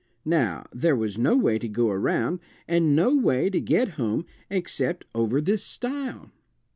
Now, there was no way to go round, and no way to get home except over this stile.